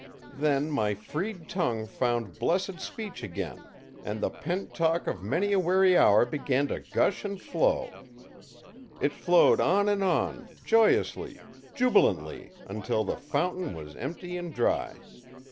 Then my freed tongue found blessed speech again, and the pent talk of many a weary hour began to gush and flow. It flowed on and on, joyously, jubilantly, until the fountain was empty and dry.